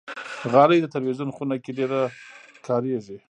غالۍ د تلویزون خونه کې ډېره کاریږي.